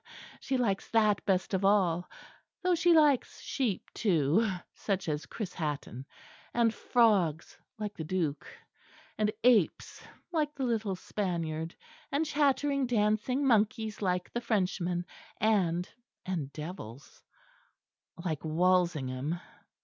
She likes that best of all; though she likes sheep too, such as Chris Hatton, and frogs like the Duke, and apes like the little Spaniard, and chattering dancing monkeys like the Frenchman and and devils, like Walshingham.